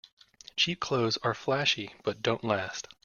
Cheap clothes are flashy but don't last.